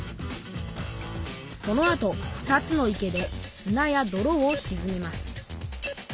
そのあと２つの池ですなやどろをしずめます。